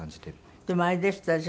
でもあれでしたでしょ？